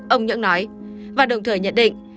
ông nhưỡng nói và đồng thời nhận định